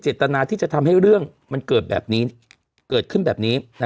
ตนาที่จะทำให้เรื่องมันเกิดแบบนี้เกิดขึ้นแบบนี้